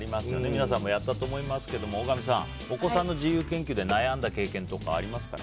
皆さんもやったと思いますけど大神さん、お子さんの自由研究で悩んだ経験とかありますか？